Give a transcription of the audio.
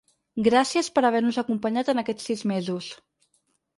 Gràcies per haver-nos acompanyat en aquests sis mesos.